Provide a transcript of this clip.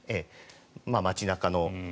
街中の。